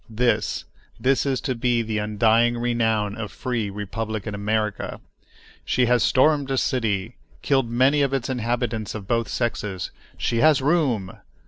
This—this is to be the undying renown of free, republican America! "She has stormed a city—killed many of its inhabitants of both sexes—she has room!"